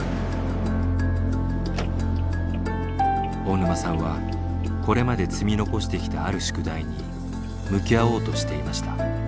大沼さんはこれまで積み残してきたある宿題に向き合おうとしていました。